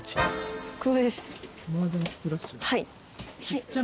はい。